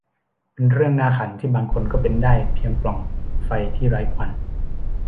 เป็นเรื่องน่าขันที่บางคนก็เป็นได้เพียงปล่องไฟที่ไร้ควัน